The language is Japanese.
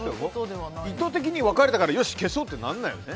意図的に別れたからよし、消そうとはならないよね。